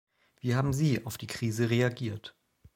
Wie haben Sie auf die Krise reagiert?